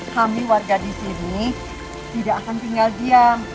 kami warga di sini tidak akan tinggal diam